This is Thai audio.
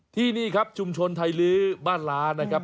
ที่นี่ครับชุมชนไทยลื้อบ้านล้านะครับ